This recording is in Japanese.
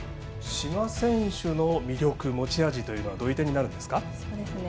志賀選手の魅力持ち味というのはどういう点になるんですか。